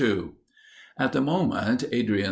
At the moment, Adrian IV.